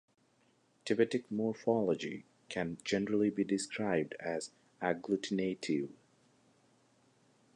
Tibetic morphology can generally be described as agglutinative.